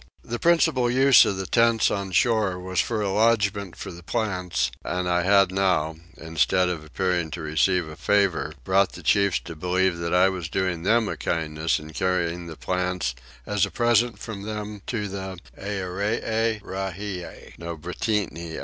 The principal use of the tents on shore was for a lodgment for the plants; and I had now, instead of appearing to receive a favour, brought the chiefs to believe that I was doing them a kindness in carrying the plants as a present from them to the Earee Rahie no Britanee.